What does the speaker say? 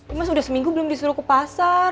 imas udah seminggu belum disuruh ke pasar